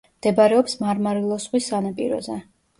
მდებარეობს მარმარილოს ზღვის სანაპიროზე.